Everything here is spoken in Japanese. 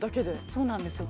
そうなんですよ。